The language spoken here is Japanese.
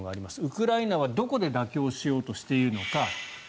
ウクライナはどこで妥協しようとしているのか。